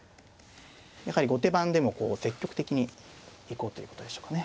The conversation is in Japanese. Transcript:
やはり後手番でもこう積極的に行こうということでしょうかね。